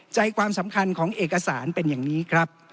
ใจความสำคัญของเอกสารเป็นอย่างนี้ครับ